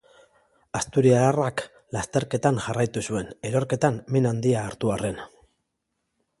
Asturiarrak lasterketan jarraitu zuen, erorketan min handia hartu arren.